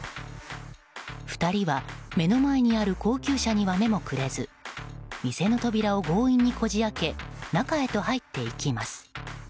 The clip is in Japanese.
２人は目の前にある高級車には目もくれず店の扉を強引にこじ開け中へと入っていきます。